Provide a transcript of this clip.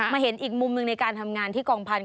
เห็นอีกมุมหนึ่งในการทำงานที่กองพันธุ